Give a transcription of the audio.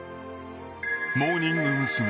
モーニング娘。